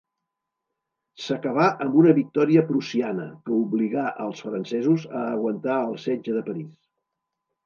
S'acabà amb una victòria prussiana, que obligà als francesos a aguantar el setge de París.